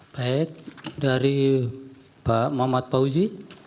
baik dari pak muhammad fauzi